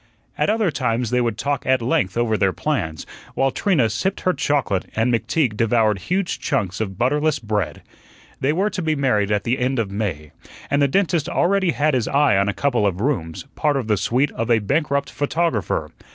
At other times they would talk at length over their plans, while Trina sipped her chocolate and McTeague devoured huge chunks of butterless bread. They were to be married at the end of May, and the dentist already had his eye on a couple of rooms, part of the suite of a bankrupt photographer.